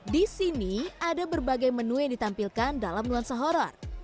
di sini ada berbagai menu yang ditampilkan dalam nuansa horror